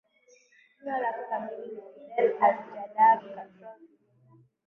Jina lake kamili ni Fidel Alejandro Castro Ruz